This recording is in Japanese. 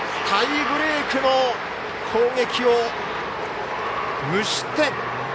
タイブレークも攻撃を無失点！